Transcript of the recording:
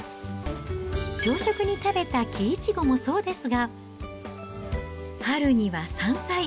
朝食に食べたきいちごもそうですが、春には山菜。